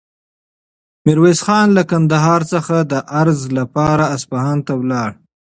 میرویس خان له کندهار څخه د عرض لپاره اصفهان ته ولاړ.